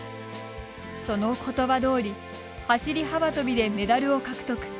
そのことばどおり走り幅跳びでメダルを獲得。